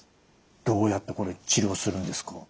どうやってこれ治療するんですか？